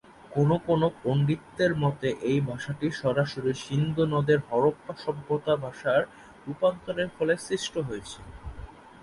কোনো কোনো পণ্ডিতের মতে এই ভাষাটি সরাসরি সিন্ধু নদের হরপ্পা সভ্যতার ভাষার রূপান্তরের ফলে সৃষ্ট হয়েছে।